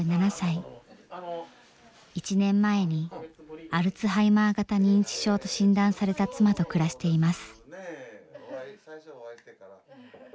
１年前にアルツハイマー型認知症と診断された妻と暮らしています。